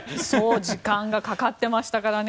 時間がかかっていましたからね。